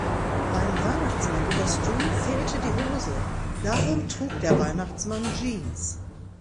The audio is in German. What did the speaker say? Beim Weihnachtsmannkostüm fehlte die Hose, darum trug der Weihnachtsmann Jeans.